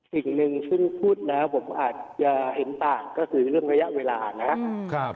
สิ่งหนึ่งซึ่งพูดแล้วผมอาจจะเห็นต่างก็คือเรื่องระยะเวลานะครับ